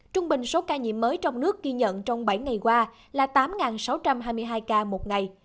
trung bình số ca nhiễm mới trong nước ghi nhận trong bảy ngày qua là tám sáu trăm hai mươi hai ca một ngày